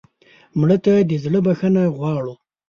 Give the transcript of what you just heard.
مړه ته د زړه بښنه غواړو